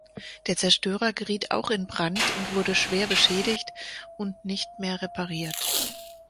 Der Zerstörer geriet auch in Brand und wurde schwer beschädigt und nicht mehr repariert.